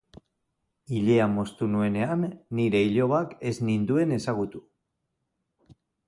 Ilea moztu nuenean nire ilobak ez ninduen ezagutu.